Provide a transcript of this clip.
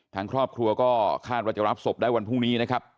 ทางครอบครัวก็คาดว่าจะรับศพได้วันพรุ่งนี้นะครับ